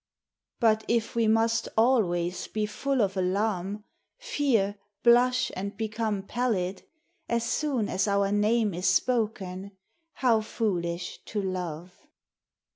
But if we must always be full of alarm— Fear, blush and become pallid, As soon as our name is spoken, How foolish to love!